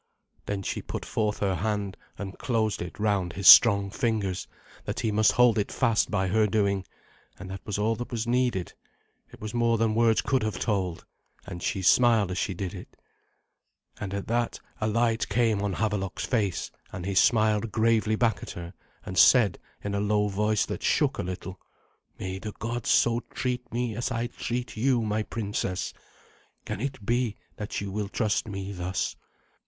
Then she put forth her hand and closed it round his strong fingers, that he must hold it fast by her doing, and that was all that was needed. It was more than words could have told. And she smiled as she did it. And at that a light came on Havelok's face, and he smiled gravely back at her, and he said in a low voice that shook a little, "May the gods so treat me as I treat you, my princess. Can it be that you will trust me thus?"